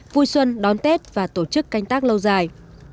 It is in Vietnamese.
vui xuân đón tết và tổ chức canh tác lâu dài